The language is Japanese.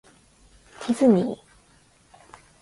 ディズニー